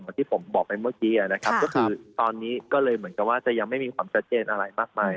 ที่ผมบอกไปเมื่อกี้นะครับก็คือตอนนี้ก็เลยเหมือนกับว่าจะยังไม่มีความชัดเจนอะไรมากมาย